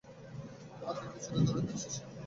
আমার থেকে কিছুটা দূরে থাকছিস না কেন?